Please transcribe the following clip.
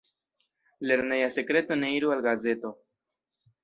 Lerneja sekreto ne iru al gazeto.